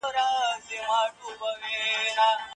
پخوانیو خپلو پیروانو ته یوازي عقدې انتقال کړې.